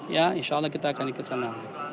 ya insya allah kita akan ikut sana